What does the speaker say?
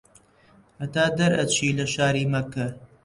هەتا دەرئەچی لە شاری مەککە